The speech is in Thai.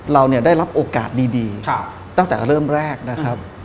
เราเนี่ยได้รับโอกาสดีตั้งแต่เริ่มแรกนะครับ